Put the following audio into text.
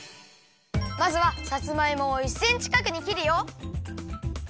まずはさつまいもを１センチかくにきるよ。